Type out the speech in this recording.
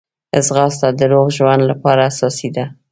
ځغاسته د روغ ژوند لپاره اساسي ده